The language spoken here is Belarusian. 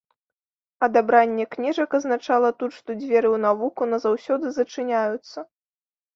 Адабранне кніжак азначала тут, што дзверы ў навуку назаўсёды зачыняюцца.